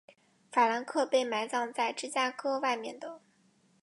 法兰克被埋葬在芝加哥外面的。